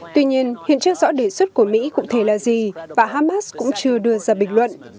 tuy nhiên hiện chưa rõ đề xuất của mỹ cụ thể là gì và hamas cũng chưa đưa ra bình luận